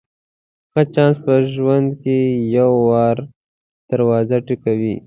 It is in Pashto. ښه چانس په ژوند کې یو وار دروازه ټکوي.